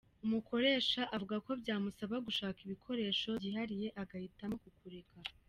Umukoresha avuga ko byamusaba gushaka ibikoresho byihariye, agahitamo kukureka.